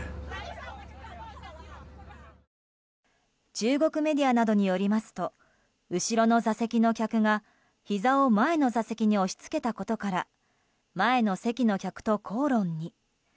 中国メディアなどによりますと後ろの座席の客がひざを前の座席に押し付けたことから前の席の客と口論に。